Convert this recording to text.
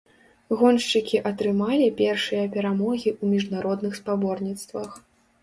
Гоншчыкі атрымалі першыя перамогі ў міжнародных спаборніцтвах.